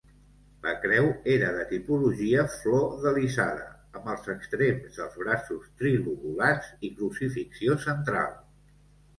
La creu era de tipologia flordelisada amb els extrems dels braços trilobulats i crucifixió central.